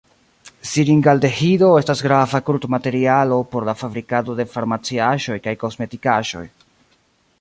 Siringaldehido estas grava krudmaterialo por la fabrikado de farmaciaĵoj kaj kosmetikaĵoj.